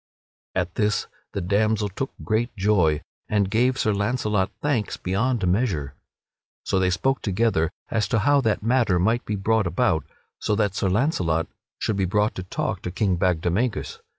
At this the damsel took great joy and gave Sir Launcelot thanks beyond measure. So they spoke together as to how that matter might be brought about so that Sir Launcelot should be brought to talk to King Bagdemagus.